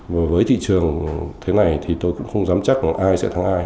mà với thị trường thế này thì tôi cũng không dám chắc ai sẽ thắng ai